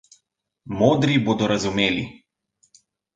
Modri bodo razumeli.